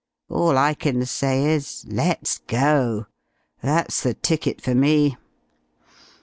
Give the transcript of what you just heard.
All I can say is, let's go. That's the ticket for me."